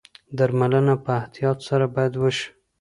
درملنه په احتیاط سره باید وشي.